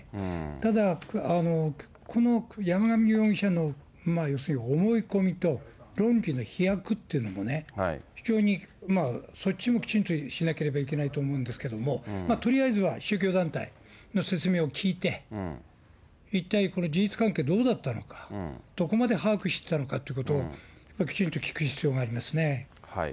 ただ、この山上容疑者の、要するに思い込みと、の飛躍っていうのもね、非常にそっちもきちんとしなければいけないと思うんですけれども、とりあえずは宗教団体の説明を聞いて、一体、これ、事実関係どうだったのか、どこまで把握していたのかということを、きちんと聞く必要がありますね。